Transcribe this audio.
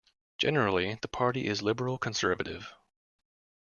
Generally, the party is liberal conservative.